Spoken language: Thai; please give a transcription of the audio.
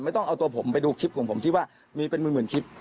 ต้องเอาตัวผมไปดูคลิปของผมที่ว่ามีเป็นหมื่นคลิป